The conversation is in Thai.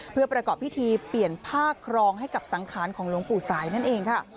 เพื่อประกอบพิธีเปลี่ยนผ้าครองให้กับสังขารของหลวงปู่สายนั่นเองค่ะ